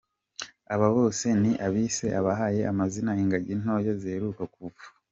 Abo bose ni abisi bahaye amazina ingagi ntoya ziheruka kuvuka.